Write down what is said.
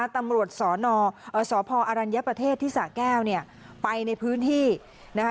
ตำรวจสพอรัญญประเทศที่สะแก้วเนี่ยไปในพื้นที่นะคะ